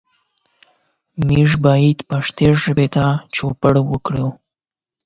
موږ باید پښتو ژبې ته چوپړ وکړو.